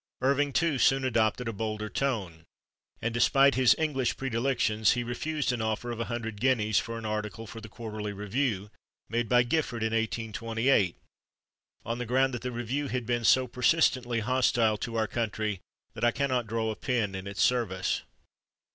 Irving, too, soon adopted a bolder tone, and despite his English predilections, he refused an offer of a hundred guineas for an article for the /Quarterly Review/, made by Gifford in 1828, on the ground that "the /Review/ has been so persistently hostile to our country that I cannot draw a pen in its service."